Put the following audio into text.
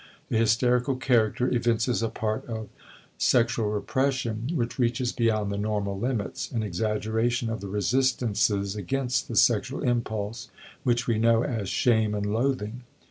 The hysterical character evinces a part of sexual repression which reaches beyond the normal limits, an exaggeration of the resistances against the sexual impulse which we know as shame and loathing.